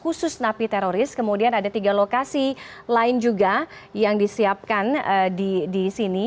khusus napi teroris kemudian ada tiga lokasi lain juga yang disiapkan di sini